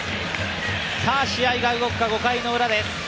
試合が動くか５回ウラです。